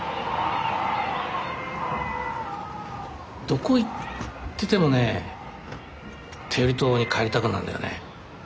どこ行っててもね天売島に帰りたくなるんだよね。